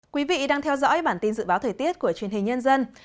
quý vị đang theo dõi bản tin dự báo thời tiết của truyền hình nhân dân